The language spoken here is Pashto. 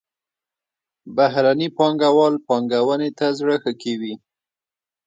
بهرني پانګوال پانګونې ته زړه ښه کوي.